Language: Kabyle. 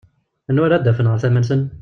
Nawa ara d-afen ɣer tama-nsen?